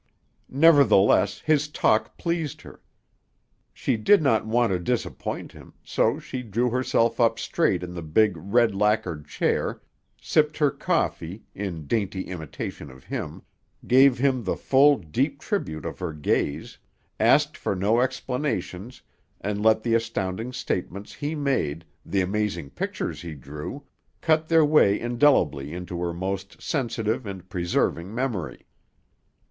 Nevertheless, his talk pleased her. She did not want to disappoint him, so she drew herself up straight in the big red lacquered chair, sipped her coffee, in dainty imitation of him, gave him the full, deep tribute of her gaze, asked for no explanations and let the astounding statements he made, the amazing pictures he drew, cut their way indelibly into her most sensitive and preserving memory.